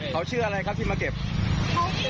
เขามาเก็บในที่นี่อีกซักแล้วพี่